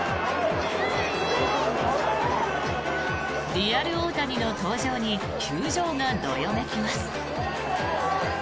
リアル大谷の登場に球場がどよめきます。